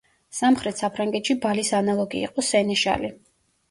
სამხრეთ საფრანგეთში ბალის ანალოგი იყო სენეშალი.